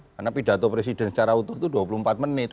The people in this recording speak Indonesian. karena pidato presiden secara utuh itu dua puluh empat menit